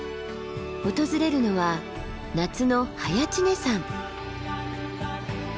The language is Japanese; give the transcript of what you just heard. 訪れるのは夏の早池峰山。